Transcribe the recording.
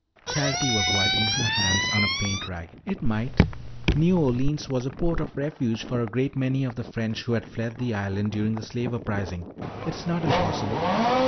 Charity was wiping her hands on a paint rag. "It might. New Orleans was a port of refuge for a great many of the French who fled the island during the slave uprising. It is not impossible."